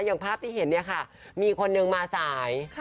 อย่างภาพที่เห็นเนี่ยค่ะมีคนนึงมาสาย